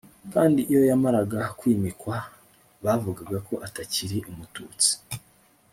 kandi iyo yamaraga kwimikwa, bavugaga ko atakiri umututsi